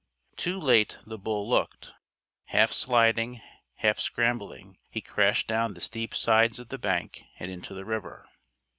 Too late the bull looked. Half sliding, half scrambling, he crashed down the steep sides of the bank and into the river.